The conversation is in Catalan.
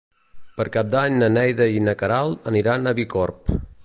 Per Cap d'Any na Neida i na Queralt aniran a Bicorb.